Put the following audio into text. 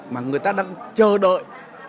mà người ta đang chờ đợi